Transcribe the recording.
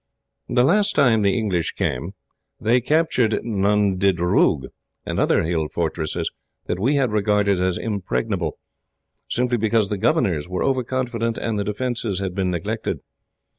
"The last time the English came, they captured Nundidroog, and other hill fortresses that we had regarded as impregnable, simply because the governors were overconfident, and the defences had been neglected.